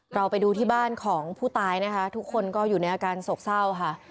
เราไปดูที่บ้านของผู้ตายนะคะทุกคนก็อยู่ในอาการโศกเศร้าค่ะ